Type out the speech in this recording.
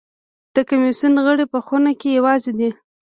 د کمېسیون غړي په خونه کې یوازې دي.